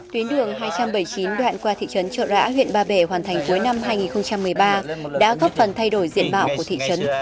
tuyến đường hai trăm bảy mươi chín đoạn qua thị trấn trợ rã huyện ba bể hoàn thành cuối năm hai nghìn một mươi ba đã góp phần thay đổi diện mạo của thị trấn